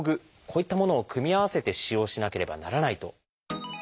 こういったものを組み合わせて使用しなければならないと。